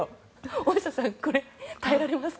大下さん、これ耐えられますか？